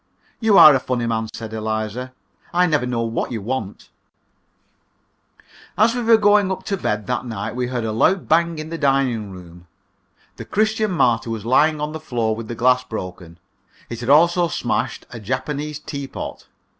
"You are a funny man," said Eliza; "I never know what you want." As we were going up to bed that night we heard a loud bang in the dining room. The "Christian Martyr" was lying on the floor with the glass broken. It had also smashed a Japanese teapot.